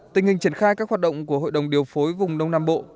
tình hình triển khai các hoạt động của hội đồng điều phối vùng đông nam bộ